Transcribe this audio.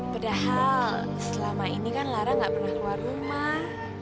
padahal selama ini kan lara nggak pernah keluar rumah